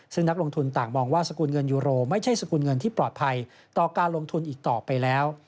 ซึ่งนักลงทุนต่างมองว่าสกุลเงินยูโรไม่ใช่สกุลเงินที่ปลอดภัยต่อการลงทุนอีกต่อไปแล้ว